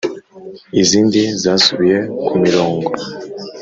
izindi zasubiye ku mirongo